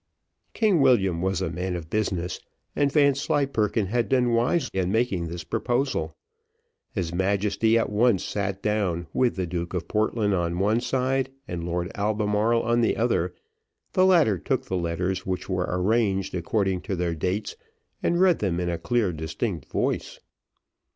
King William was a man of business, and Vanslyperken had done wisely in making this proposal. His Majesty at once sat down, with the Duke of Portland on the one side and Lord Albemarle on the other: the latter took the letters which were arranged according to their dates, and read them in a clear distinct voice.